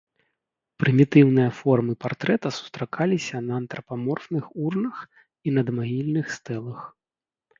Прымітыўныя формы партрэта сустракаліся на антрапаморфных урнах і надмагільных стэлах.